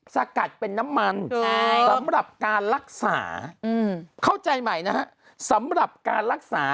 สกัดเป็นน้ำมันสำหรับการรักษาเข้าใจใหม่นะฮะสำหรับการรักษา